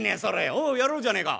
おうやろうじゃねえか。